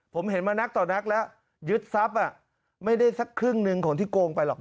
ผมเห็นมานักต่อนักแล้วยึดทรัพย์ไม่ได้สักครึ่งหนึ่งของที่โกงไปหรอก